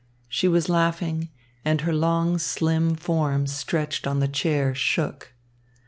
She was laughing, and her long, slim form stretched on the chair shook.